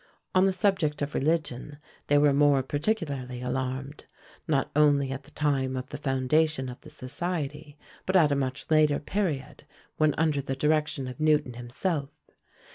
On the subject of religion they were more particularly alarmed, not only at the time of the foundation of the society, but at a much later period, when under the direction of Newton himself.